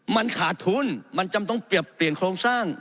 มันขาดทุนมันจำต้องปรับเปลี่ยนโครงสร้าง